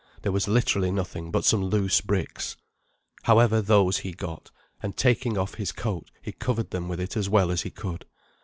There was literally nothing but some loose bricks. However, those he got; and taking off his coat he covered them with it as well as he could.